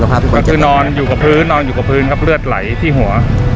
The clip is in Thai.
เหมือนคือนอนอยู่ประภืนครับเลือดไหลที่หัว